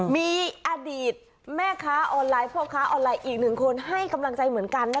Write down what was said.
มีอดีตแม่ค้าออนไลน์พ่อค้าออนไลน์อีกหนึ่งคนให้กำลังใจเหมือนกัน